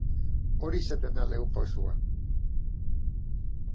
Hori izaten da lehen pausoa.